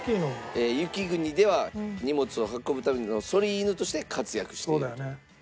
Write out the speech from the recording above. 雪国では荷物を運ぶためのそり犬として活躍していると。